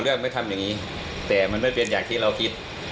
ก่อเรื่องไปทำยังงี้แต่มันไม่เป็นอย่างที่เราคิด